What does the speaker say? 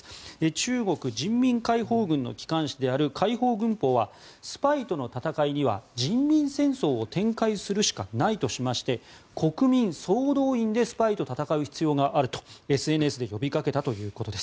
中国人民解放軍の機関紙である解放軍報はスパイとの戦いには人民戦争を展開するしかないとしまして国民総動員でスパイと戦う必要があるとＳＮＳで呼びかけたということです。